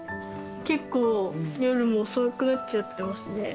結構夜も遅くなっちゃってますね。